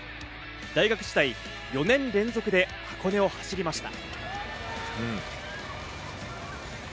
大学時代、４年連続で箱根を走りました。